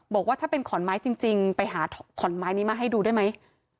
บอกว่าถ้าเป็นขอนไม้จริงไปหาขอนไม้นี้มาให้ดูได้ไหม